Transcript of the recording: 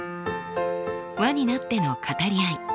輪になっての語り合い。